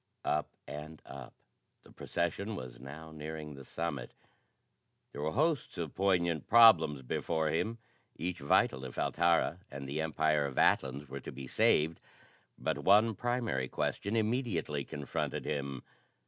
Up and up. The procession was now nearing the summit. There were hosts of poignant problems before him, each vital if Altara and the Empire of Atlans were to be saved; but one primary question immediately confronted him.